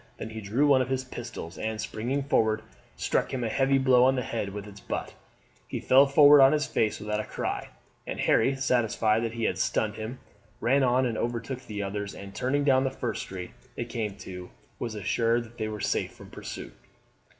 Then he drew one of his pistols, and, springing forward, struck him a heavy blow on the head with its butt. He fell forward on his face without a cry; and Harry, satisfied that he had stunned him, ran on and overtook the others, and, turning down the first street they came to, was assured that they were safe from pursuit.